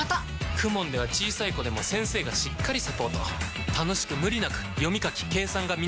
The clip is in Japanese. ＫＵＭＯＮ では小さい子でも先生がしっかりサポート楽しく無理なく読み書き計算が身につきます！